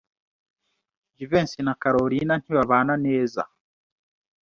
Jivency na Kalorina ntibabana neza.